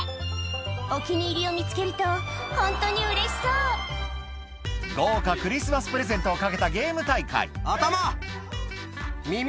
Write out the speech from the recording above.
お気に入りを見つけるとホントにうれしそう豪華クリスマスプレゼントを懸けたゲーム大会「頭！耳！」